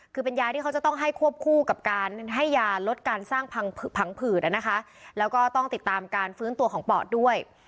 คือเป็นยาที่เขาจะต้องให้ควบคู่กับการให้ยาลดการสร้างผังผืดนะคะแล้วก็ต้องติดตามการฟื้นตัวของปอดด้วย